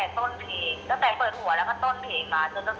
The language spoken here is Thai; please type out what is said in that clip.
แล้วพอครั้งที่สามเนี่ยเขาก็ศาสตร์มาที่แบบ